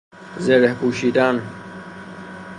زره پوشیدن